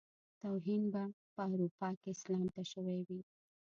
توهين به په اروپا کې اسلام ته شوی وي.